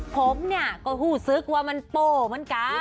ผมเนี่ยก็หู้ซึกว่ามันโป้เหมือนกัน